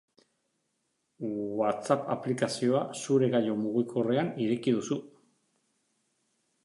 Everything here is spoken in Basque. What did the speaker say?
WhatsApp aplikazioa zure gailu mugikorrean ireki duzu.